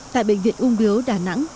tại bệnh viện ung biếu đà nẵng